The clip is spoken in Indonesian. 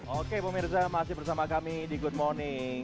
oke pemirsa masih bersama kami di good morning